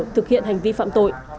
thực hiện hành vi phạm tội